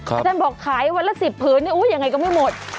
อาจารย์บอกขายวันละ๑๐พื้นอุ้ยอย่างไรก็ไม่หมด